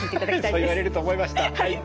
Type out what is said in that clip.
そう言われると思いました。